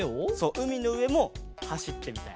うみのうえもはしってみたい。